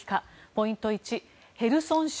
ポイント１ヘルソン州